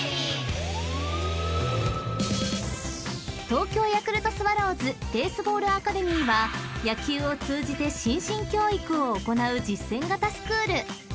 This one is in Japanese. ［東京ヤクルトスワローズベースボールアカデミーは野球を通じて心身教育を行う実践型スクール］